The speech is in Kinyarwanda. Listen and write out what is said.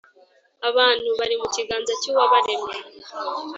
abantu bari mu kiganza cy’Uwabaremye,